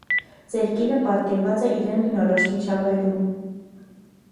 Ծեր կինը պատկերված է իրեն բնորոշ միջավայրում։